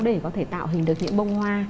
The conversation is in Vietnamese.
để có thể tạo hình được những bông hoa